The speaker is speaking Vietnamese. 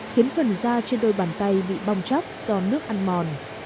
khiến phần da trên đôi bàn tay bị bong chóc do nước ăn mòn